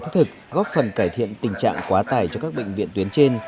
thiết thực góp phần cải thiện tình trạng quá tải cho các bệnh viện tuyến trên